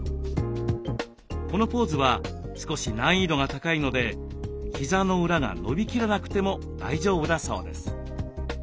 このポーズは少し難易度が高いのでひざの裏が伸びきらなくても大丈夫だそうです。